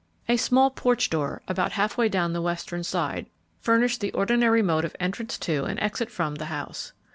A small porch door, about half way down the western side, furnished the ordinary mode of entrance to and exit from the house.